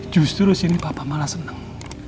justru sini papa malah seneng